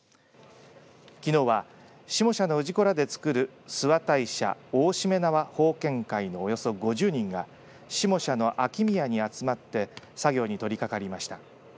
きのうは下社の氏子らでつくる諏訪大社大注連縄奉献会のおよそ５０人が下社の秋宮に集まって作業に取りかかりました。